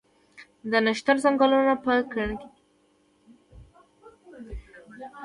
د نښتر ځنګلونه په کنړ کې دي؟